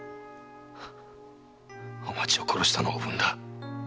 おまちを殺したのはおぶんだ。